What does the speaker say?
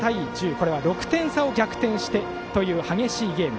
これは６点差を逆転してという激しいゲーム。